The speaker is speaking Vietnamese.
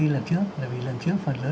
lần trước vì lần trước phần lớn